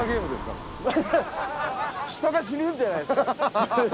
人が死ぬんじゃないですか。